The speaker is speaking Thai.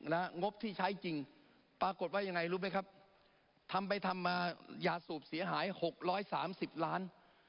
งบที่ใช้จริงปรากฏว่ายังไงรู้ไหมครับทำไปทำมายาสูบเสียหายหกร้อยสามสิบล้าน